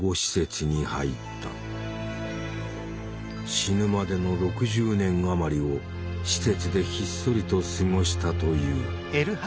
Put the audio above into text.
死ぬまでの６０年余りを施設でひっそりと過ごしたという。